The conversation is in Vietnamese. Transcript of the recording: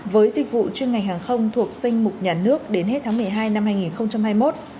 với dịch vụ chuyên ngành hàng không thuộc danh mục nhà nước đến hết tháng một mươi hai năm hai nghìn hai mươi một